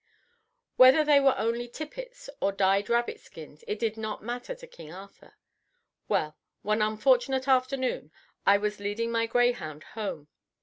Whether they were only tippets or dyed rabbit skins, it did not matter to King Arthur. Well, one unfortunate afternoon, I was leading my greyhound home.